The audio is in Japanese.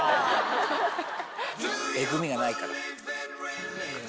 えぐみがないから。